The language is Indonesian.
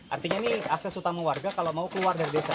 artinya ini akses utama warga kalau mau keluar dari desa